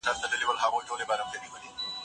لارښود استاد شاګرد ته د څيړني لاره وښوده.